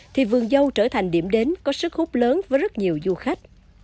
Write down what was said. thì vườn dâu trở thành điểm đến có sức hút lớn với rất nhiều du khách